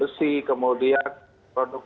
besi kemudian produk